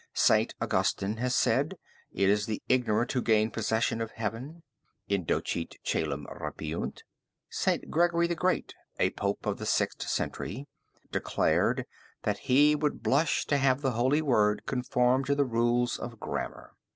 Saint Augustine has said: It is the ignorant who gain possession of heaven (indocti coelum rapiunt.) Saint Gregory the Great, a Pope of the Sixth Century, declared that he would blush to have the holy word conform to the rules of grammar.